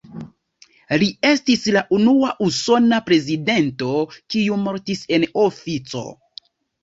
Li estis la unua usona prezidento, kiu mortis en ofico.